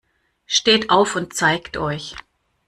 Steht auf und zeigt euch!